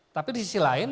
tapi di sisi lain